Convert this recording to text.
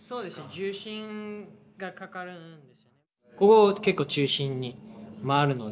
重心がかかるんですよね。